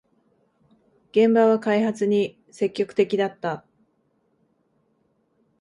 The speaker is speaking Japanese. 現場は開発に積極的だった